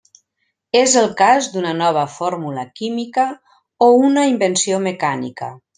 És el cas d'una nova fórmula química o una invenció mecànica.